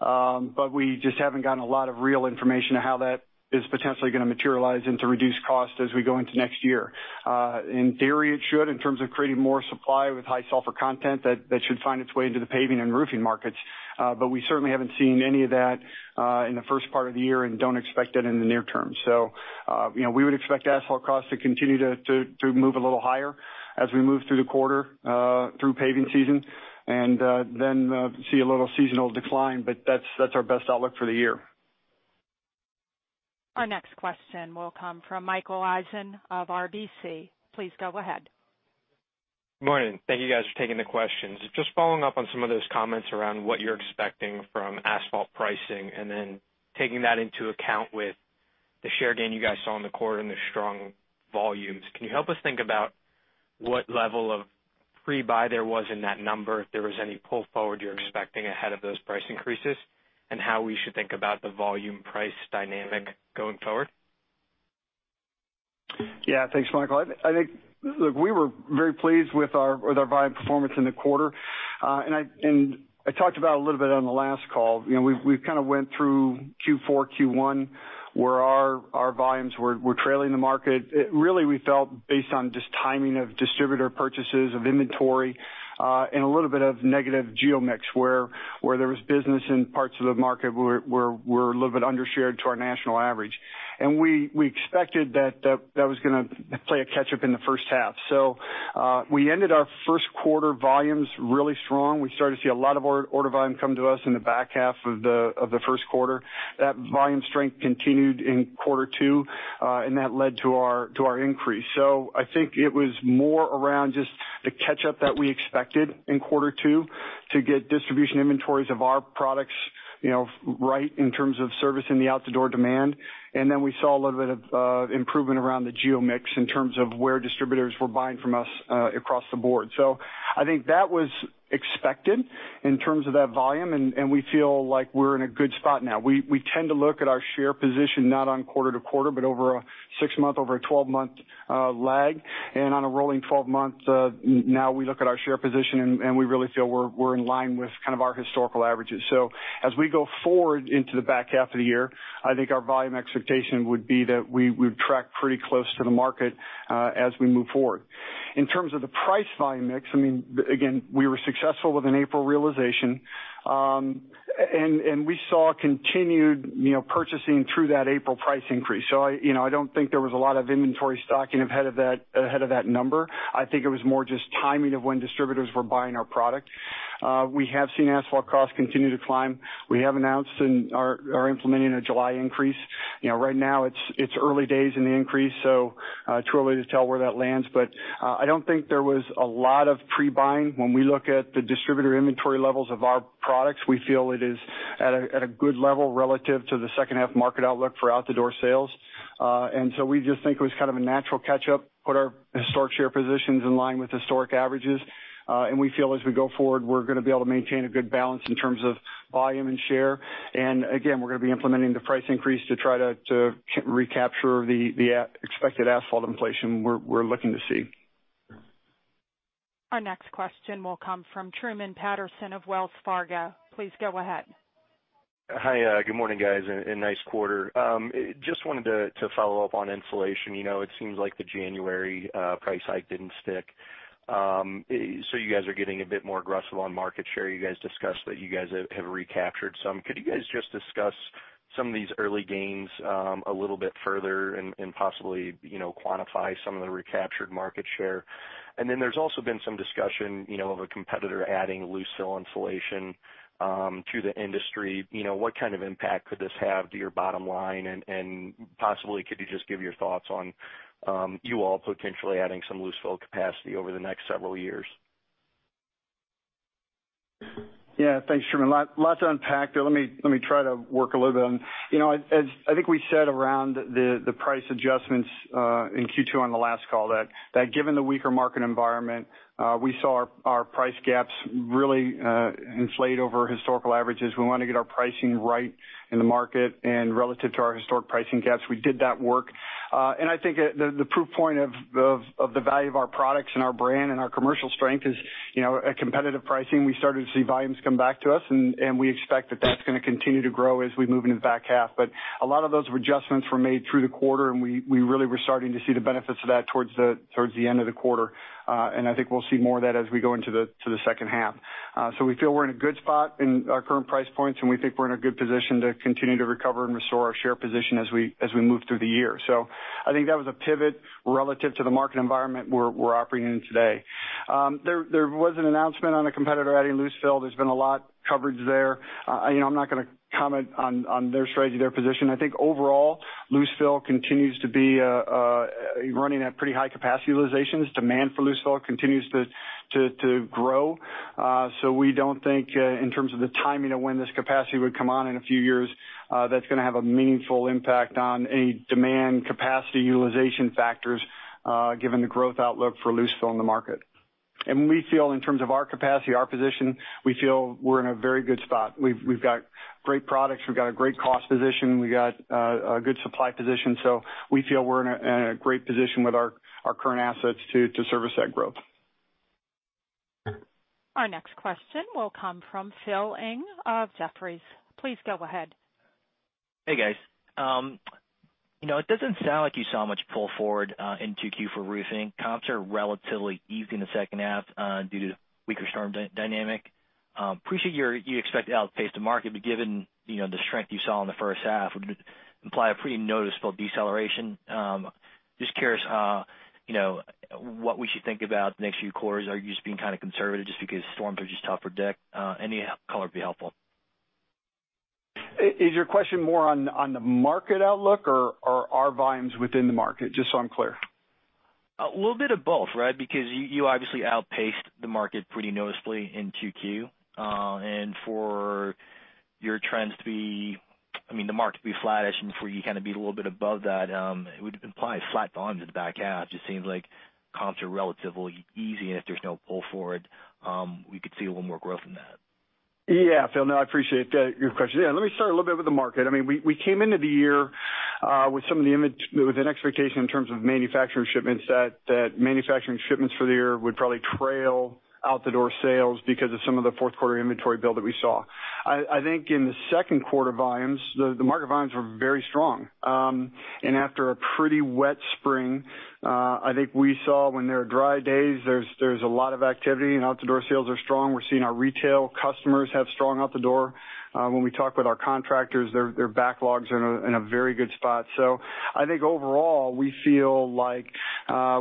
but we just haven't gotten a lot of real information on how that is potentially going to materialize into reduced cost as we go into next year. In theory, it should in terms of creating more supply with high sulfur content that should find its way into the paving and roofing markets. But we certainly haven't seen any of that in the first part of the year and don't expect that in the near term. So we would expect asphalt costs to continue to move a little higher as we move through the quarter, through paving season, and then see a little seasonal decline, but that's our best outlook for the year. Our next question will come from Michael Eisen of RBC. Please go ahead. Good morning. Thank you, guys, for taking the questions. Just following up on some of those comments around what you're expecting from asphalt pricing and then taking that into account with the share gain you guys saw in the quarter and the strong volumes, can you help us think about what level of pre-buy there was in that number, if there was any pull forward you're expecting ahead of those price increases, and how we should think about the volume price dynamic going forward? Yeah, thanks, Michael. I think, look, we were very pleased with our volume performance in the quarter, and I talked about a little bit on the last call. We kind of went through Q4, Q1, where our volumes were trailing the market. Really, we felt based on just timing of distributor purchases, of inventory, and a little bit of negative geo mix where there was business in parts of the market where we're a little bit under-shared to our national average. And we expected that that was going to play a catch-up in the first half. So we ended our first quarter volumes really strong. We started to see a lot of order volume come to us in the back half of the first quarter. That volume strength continued in quarter two, and that led to our increase. So I think it was more around just the catch-up that we expected in quarter two to get distribution inventories of our products right in terms of service in the out-the-door demand. And then we saw a little bit of improvement around the geo-mix in terms of where distributors were buying from us across the board. So I think that was expected in terms of that volume, and we feel like we're in a good spot now. We tend to look at our share position not on quarter to quarter, but over a six-month, over a 12-month lag. And on a rolling 12-month, now we look at our share position, and we really feel we're in line with kind of our historical averages. So as we go forward into the back half of the year, I think our volume expectation would be that we would track pretty close to the market as we move forward. In terms of the price volume mix, I mean, again, we were successful with an April realization, and we saw continued purchasing through that April price increase. So I don't think there was a lot of inventory stocking ahead of that number. I think it was more just timing of when distributors were buying our product. We have seen asphalt costs continue to climb. We have announced and are implementing a July increase. Right now, it's early days in the increase, so too early to tell where that lands. But I don't think there was a lot of pre-buying. When we look at the distributor inventory levels of our products, we feel it is at a good level relative to the second-half market outlook for out-the-door sales. And so we just think it was kind of a natural catch-up, put our historic share positions in line with historic averages. And we feel as we go forward, we're going to be able to maintain a good balance in terms of volume and share. And again, we're going to be implementing the price increase to try to recapture the expected asphalt inflation we're looking to see. Our next question will come from Truman Patterson of Wells Fargo. Please go ahead. Hi, good morning, guys. And nice quarter. Just wanted to follow up on inflation. It seems like the January price hike didn't stick. So you guys are getting a bit more aggressive on market share. You guys discussed that you guys have recaptured some. Could you guys just discuss some of these early gains a little bit further and possibly quantify some of the recaptured market share? And then there's also been some discussion of a competitor adding loose fill insulation to the industry. What kind of impact could this have to your bottom line? And possibly, could you just give your thoughts on you all potentially adding some loose fill capacity over the next several years? Yeah, thanks, Truman. Lots to unpack there. Let me try to work a little bit on. I think we said around the price adjustments in Q2 on the last call that given the weaker market environment, we saw our price gaps really inflate over historical averages. We wanted to get our pricing right in the market and relative to our historic pricing gaps. We did that work. And I think the proof point of the value of our products and our brand and our commercial strength is a competitive pricing. We started to see volumes come back to us, and we expect that that's going to continue to grow as we move into the back half. But a lot of those adjustments were made through the quarter, and we really were starting to see the benefits of that towards the end of the quarter. And I think we'll see more of that as we go into the second half. So we feel we're in a good spot in our current price points, and we think we're in a good position to continue to recover and restore our share position as we move through the year. So I think that was a pivot relative to the market environment we're operating in today. There was an announcement on a competitor adding loose fill. There's been a lot covered there. I'm not going to comment on their strategy, their position. I think overall, loose fill continues to be running at pretty high capacity utilizations. Demand for loose fill continues to grow. So we don't think in terms of the timing of when this capacity would come on in a few years. That's going to have a meaningful impact on any demand capacity utilization factors given the growth outlook for loose fill in the market. And we feel in terms of our capacity, our position, we feel we're in a very good spot. We've got great products. We've got a great cost position. We've got a good supply position. So we feel we're in a great position with our current assets to service that growth. Our next question will come from Phil Ng of Jefferies. Please go ahead. Hey, guys. It doesn't sound like you saw much pull forward in Q2 for roofing. Comps are relatively easy in the second half due to weaker storm dynamic. Appreciate. You expect to outpace the market, but given the strength you saw in the first half, it would imply a pretty noticeable deceleration. Just curious what we should think about the next few quarters. Are you just being kind of conservative just because storms are just tough to predict? Any color would be helpful. Is your question more on the market outlook or our volumes within the market, just so I'm clear? A little bit of both, right? Because you obviously outpaced the market pretty noticeably in Q2. For your trends to be, I mean, the market to be flat-ish and for you to be a little bit above that, it would imply flat volumes in the back half. It just seems like comps are relatively easy, and if there's no pull forward, we could see a little more growth in that. Yeah, Phil, no, I appreciate your question. Yeah, let me start a little bit with the market. I mean, we came into the year with some of the expectation in terms of manufacturing shipments that manufacturing shipments for the year would probably trail out-the-door sales because of some of the fourth quarter inventory build that we saw. I think in the second quarter volumes, the market volumes were very strong. And after a pretty wet spring, I think we saw when there are dry days, there's a lot of activity and out-the-door sales are strong. We're seeing our retail customers have strong out-the-door. When we talk with our contractors, their backlogs are in a very good spot. So, I think overall, we feel like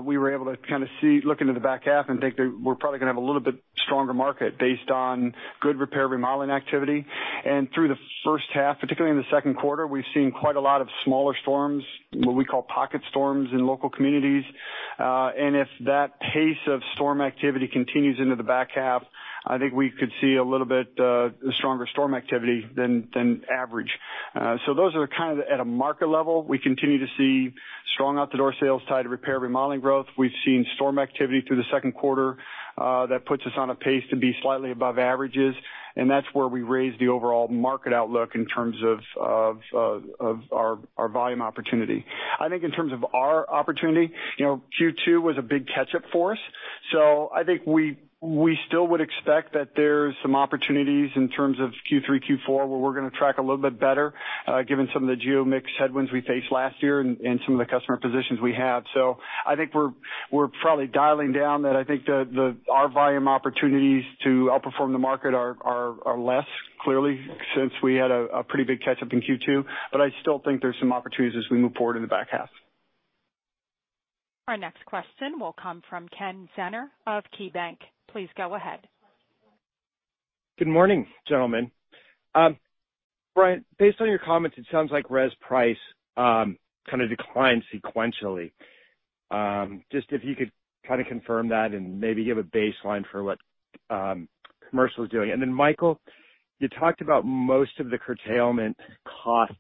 we were able to kind of look into the back half and think that we're probably going to have a little bit stronger market based on good repair remodeling activity. And through the first half, particularly in the second quarter, we've seen quite a lot of smaller storms, what we call pocket storms in local communities. And if that pace of storm activity continues into the back half, I think we could see a little bit stronger storm activity than average. So those are kind of at a market level. We continue to see strong out-the-door sales tied to repair remodeling growth. We've seen storm activity through the second quarter that puts us on a pace to be slightly above average. And that's where we raise the overall market outlook in terms of our volume opportunity. I think in terms of our opportunity, Q2 was a big catch-up for us. So I think we still would expect that there's some opportunities in terms of Q3, Q4, where we're going to track a little bit better given some of the geo mix headwinds we faced last year and some of the customer positions we have. So I think we're probably dialing down that. I think our volume opportunities to outperform the market are less clearly since we had a pretty big catch-up in Q2. But I still think there's some opportunities as we move forward in the back half. Our next question will come from Ken Zener of KeyBanc. Please go ahead. Good morning, gentlemen. Brian, based on your comments, it sounds like res price kind of declined sequentially. Just if you could kind of confirm that and maybe give a baseline for what commercial is doing. Then, Michael, you talked about most of the curtailment costs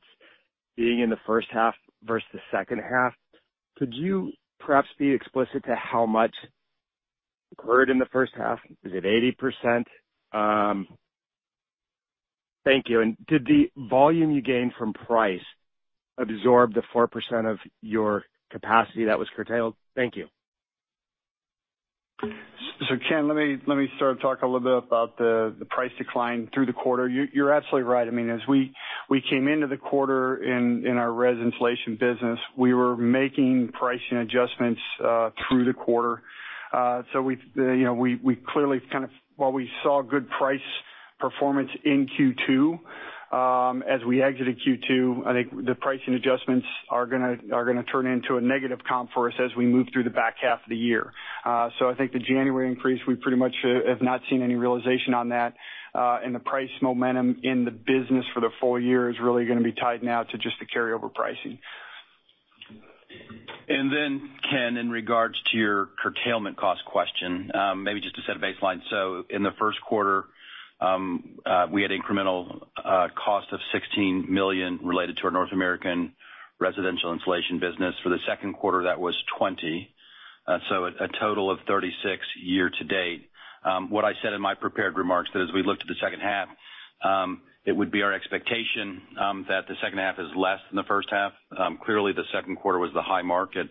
being in the first half versus the second half. Could you perhaps be explicit to how much occurred in the first half? Is it 80%? Thank you. And did the volume you gained from price absorb the 4% of your capacity that was curtailed? Thank you. Ken, let me start to talk a little bit about the price decline through the quarter. You're absolutely right. I mean, as we came into the quarter in our Res insulation business, we were making pricing adjustments through the quarter. So we clearly kind of, while we saw good price performance in Q2, as we exited Q2, I think the pricing adjustments are going to turn into a negative comp for us as we move through the back half of the year. I think the January increase, we pretty much have not seen any realization on that. The price momentum in the business for the full year is really going to be tied now to just the carryover pricing. Then, Ken, in regards to your curtailment cost question, maybe just to set a baseline. In the first quarter, we had incremental cost of $16 million related to our North American residential insulation business. For the second quarter, that was $20 million. A total of $36 million year to date. What I said in my prepared remarks that as we looked at the second half, it would be our expectation that the second half is less than the first half. Clearly, the second quarter was the high mark at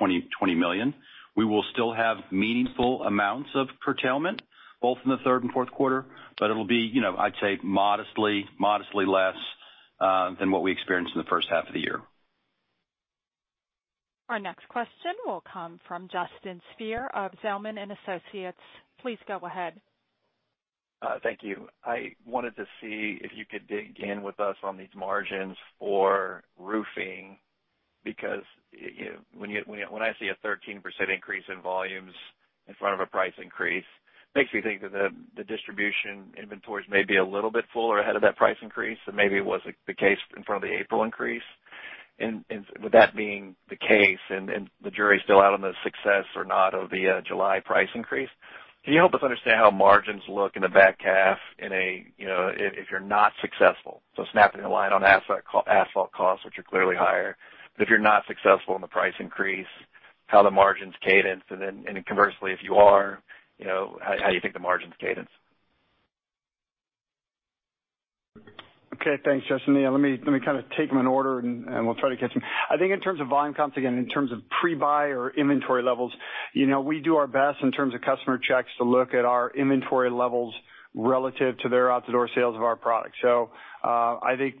$20 million. We will still have meaningful amounts of curtailment, both in the third and fourth quarter, but it'll be, I'd say, modestly less than what we experienced in the first half of the year. Our next question will come from Justin Speer of Zelman & Associates. Please go ahead. Thank you. I wanted to see if you could dig in with us on these margins for roofing because when I see a 13% increase in volumes in front of a price increase, it makes me think that the distribution inventories may be a little bit fuller ahead of that price increase than maybe was the case in front of the April increase. With that being the case, and the jury's still out on the success or not of the July price increase, can you help us understand how margins look in the back half if you're not successful? So snapping the line on asphalt costs, which are clearly higher. But if you're not successful in the price increase, how the margins cadence? And then conversely, if you are, how do you think the margins cadence? Okay, thanks, Justin. Let me kind of take them in order, and we'll try to catch them. I think in terms of volume comps, again, in terms of pre-buy or inventory levels, we do our best in terms of customer checks to look at our inventory levels relative to their out-the-door sales of our product. So I think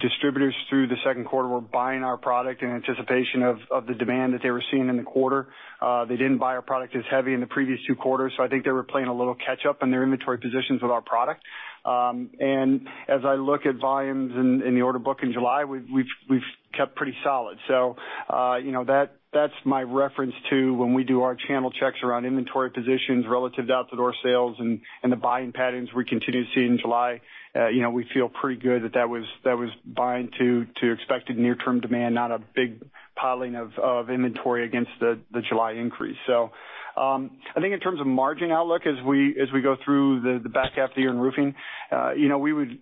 distributors through the second quarter were buying our product in anticipation of the demand that they were seeing in the quarter. They didn't buy our product as heavy in the previous two quarters. So I think they were playing a little catch-up in their inventory positions with our product. As I look at volumes in the order book in July, we've kept pretty solid. That's my reference to when we do our channel checks around inventory positions relative to out-the-door sales and the buying patterns we continue to see in July. We feel pretty good that that was buying to expected near-term demand, not a big piling of inventory against the July increase. I think in terms of margin outlook, as we go through the back half of the year in roofing,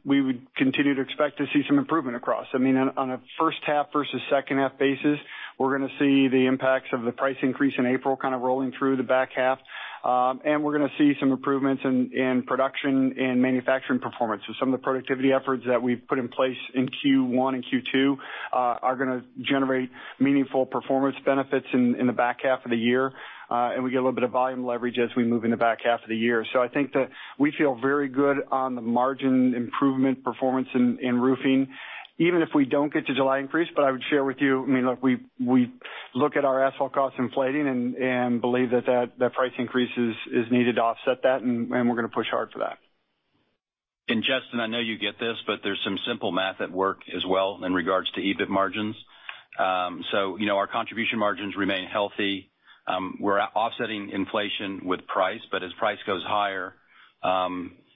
we would continue to expect to see some improvement across. I mean, on a first half versus second half basis, we're going to see the impacts of the price increase in April kind of rolling through the back half. We're going to see some improvements in production and manufacturing performance. So some of the productivity efforts that we've put in place in Q1 and Q2 are going to generate meaningful performance benefits in the back half of the year. And we get a little bit of volume leverage as we move into the back half of the year. So I think that we feel very good on the margin improvement performance in roofing, even if we don't get to July increase. But I would share with you, I mean, look, we look at our asphalt costs inflating and believe that that price increase is needed to offset that, and we're going to push hard for that. And Justin, I know you get this, but there's some simple math at work as well in regards to EBIT margins. So our contribution margins remain healthy. We're offsetting inflation with price, but as price goes higher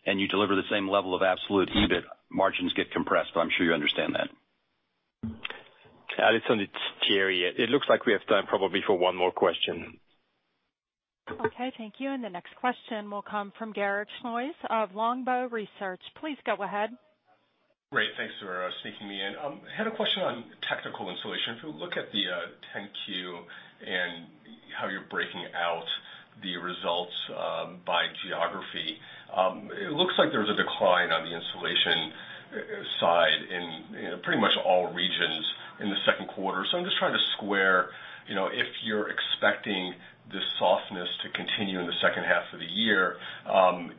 and you deliver the same level of absolute EBIT, margins get compressed. I'm sure you understand that. It's not quite there yet. It looks like we have time probably for one more question. Okay, thank you. And the next question will come from Garik Shmois of Longbow Research. Please go ahead. Great. Thanks for sneaking me in. I had a question on technical insulation. If you look at the 10-Q and how you're breaking out the results by geography, it looks like there's a decline on the insulation side in pretty much all regions in the second quarter. So I'm just trying to square if you're expecting this softness to continue in the second half of the year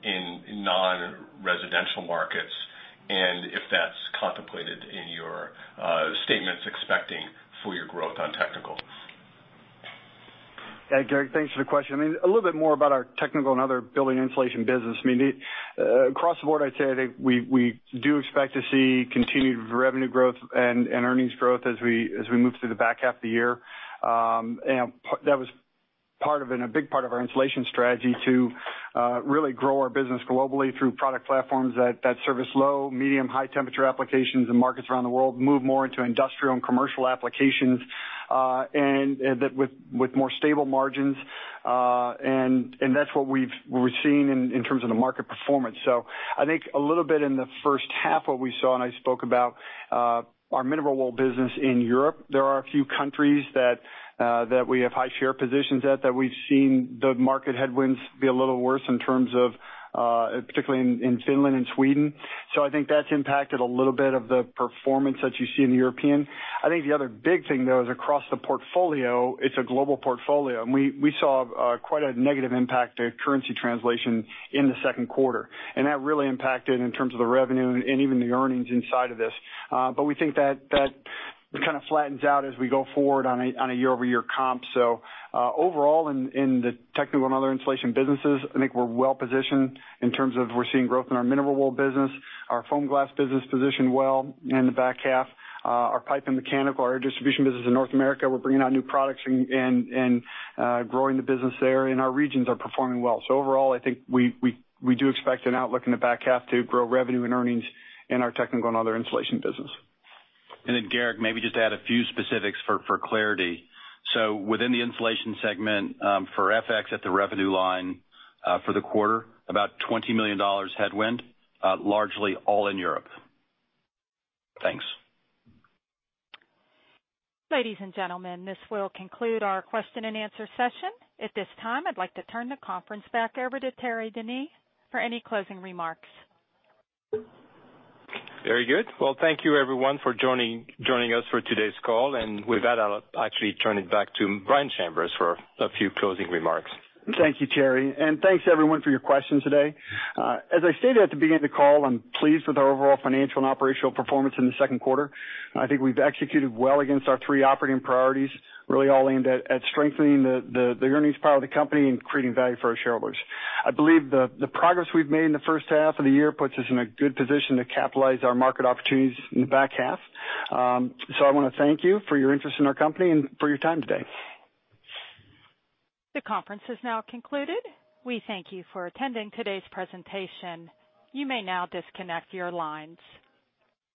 in non-residential markets and if that's contemplated in your guidance expecting growth on technical. Yeah, Garik, thanks for the question. I mean, a little bit more about our technical and other building insulation business. I mean, across the board, I'd say I think we do expect to see continued revenue growth and earnings growth as we move through the back half of the year, and that was part of a big part of our insulation strategy to really grow our business globally through product platforms that service low, medium, high temperature applications and markets around the world, move more into industrial and commercial applications, and with more stable margins. And that's what we've seen in terms of the market performance, so I think a little bit in the first half, what we saw, and I spoke about our mineral wool business in Europe. There are a few countries that we have high share positions at that we've seen the market headwinds be a little worse in terms of particularly in Finland and Sweden. So I think that's impacted a little bit of the performance that you see in the European. I think the other big thing, though, is across the portfolio, it's a global portfolio. And we saw quite a negative impact to currency translation in the second quarter. And that really impacted in terms of the revenue and even the earnings inside of this. But we think that kind of flattens out as we go forward on a year-over-year comp. So overall, in the technical and other insulation businesses, I think we're well positioned in terms of we're seeing growth in our mineral wool business, our foam glass business position well in the back half. Our pipe and mechanical, our distribution business in North America, we're bringing out new products and growing the business there. And our regions are performing well. So overall, I think we do expect an outlook in the back half to grow revenue and earnings in our technical and other insulation business. And then, Garrett, maybe just add a few specifics for clarity. So within the insulation segment for FX at the revenue line for the quarter, about $20 million headwind, largely all in Europe. Thanks. Ladies and gentlemen, this will conclude our question and answer session. At this time, I'd like to turn the conference back over to Thierry Denis for any closing remarks. Very good. Well, thank you, everyone, for joining us for today's call. And with that, I'll actually turn it back to Brian Chambers for a few closing remarks. Thank you, Thierry. Thanks, everyone, for your questions today. As I stated at the beginning of the call, I'm pleased with our overall financial and operational performance in the second quarter. I think we've executed well against our three operating priorities, really all aimed at strengthening the earnings power of the company and creating value for our shareholders. I believe the progress we've made in the first half of the year puts us in a good position to capitalize on our market opportunities in the back half. So I want to thank you for your interest in our company and for your time today. The conference has now concluded. We thank you for attending today's presentation. You may now disconnect your lines.